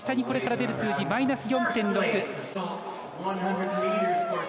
これから出る数字マイナス４．６。